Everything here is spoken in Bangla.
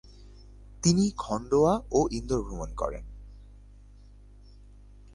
তিনি খান্ডোয়া ও ইন্দোর ভ্রমণ করেন।